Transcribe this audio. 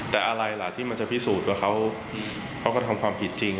แต่อะไรล่ะที่มันจะพิสูจน์ว่าเขาก็ทำความผิดจริง